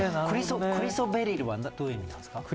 クリソベリルはどういう意味なんですか。